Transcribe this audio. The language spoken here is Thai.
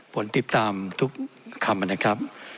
ผมติดตามทุกคำนะครับ